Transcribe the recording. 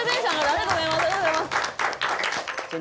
ありがとうございます！